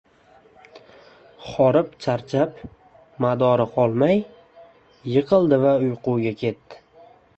Horib-charchab, madori qolmay, yiqildi va uyquga ketdi.